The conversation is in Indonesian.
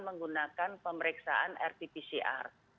menggunakan pemeriksaan rt pcr